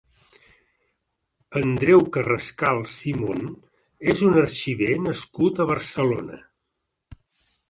Andreu Carrascal Simon és un arxiver nascut a Barcelona.